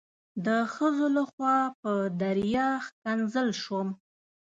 د ښځو لخوا په دریا ښکنځل شوم.